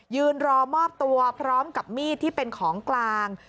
ยืนรอมอบตัวพร้อมกับมีดที่เป็นของกลาง